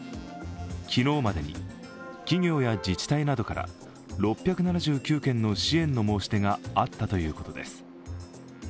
昨日までに企業や自治体などから６７９件の支援の申し出があったということです。